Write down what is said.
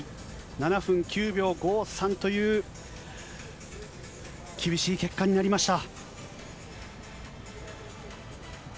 ７分９秒５３という厳しい結果になりました。